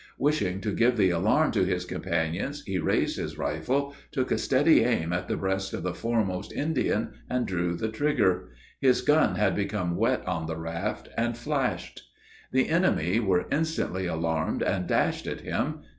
Wishing to give the alarm to his companions, he raised his rifle, took a steady aim at the breast of the foremost Indian, and drew the trigger. His gun had become wet on the raft, and flashed. The enemy were instantly alarmed, and dashed at him.